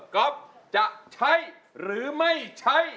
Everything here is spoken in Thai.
ก๊อฟจะใช้หรือไม่ใช้